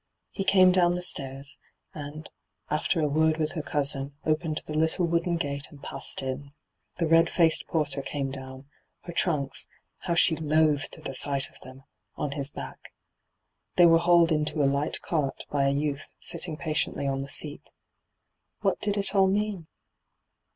He came down the stairs, and, after a word with her cousin, opened the little wooden gate and passed in. The red &ced porter came down, her trunks — ^bow she loathed the sight of them I — on his back. Tbey were hauled into a light cart by a youth sitting patiently on the seat. What did it all mean